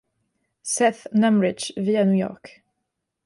Seth Numrich vit à New York.